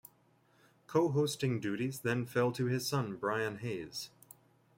Co-hosting duties then fell to his son, Brian Hayes.